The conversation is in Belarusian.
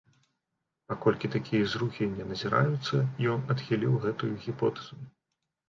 Паколькі такія зрухі не назіраюцца, ён адхіліў гэтую гіпотэзу.